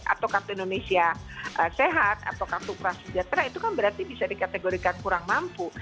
atau kartu indonesia sehat atau kartu prasejahtera itu kan berarti bisa dikategorikan kurang mampu